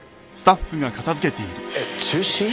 えっ中止？